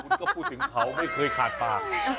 คุณก็พูดถึงเขาไม่เคยขาดปาก